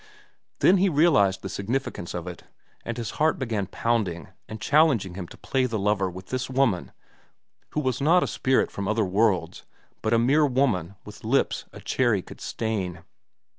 Then he realized the significance of it, and his heart began pounding and challenging him to play the lover with this woman who was not a spirit from other worlds but a mere woman with lips a cherry could stain.